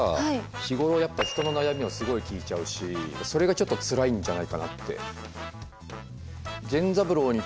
日頃人の悩みをすごい聞いちゃうしそれがちょっとつらいんじゃないかなって。